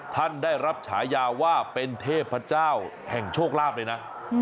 ท่านได้รับฉายาว่าเป็นเทพเจ้าแห่งโชคลาภเลยนะ